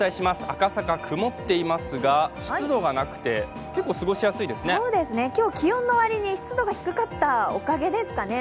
赤坂、曇っていますが湿度がなくて今日、気温のわりに湿度が低かったおかげですかね。